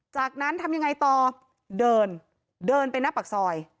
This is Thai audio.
จากนั้นทำยังไงต่อเดินเดินไปหน้าปากซอย